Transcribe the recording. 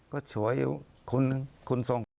ก็ช่วยอยู่คุณส่ง